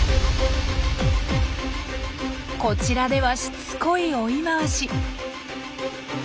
こちらではしつこい追い回し。